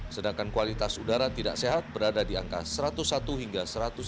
sedangkan kualitas udara tidak sehat berada di angka satu ratus satu hingga satu ratus tujuh puluh